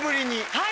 はい！